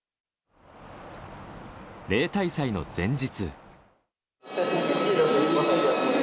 例大祭の前日。